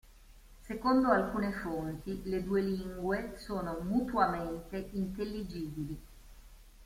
Secondo alcune fonti le due lingue sono mutuamente intelligibili.